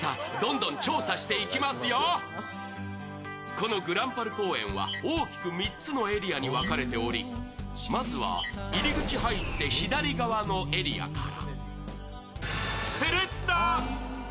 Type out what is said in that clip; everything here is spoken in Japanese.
このぐらんぱる公園は大きく３つのエリアに分かれており、まずは入り口入って左側のエリアから。